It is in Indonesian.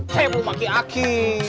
saya belum pakai aki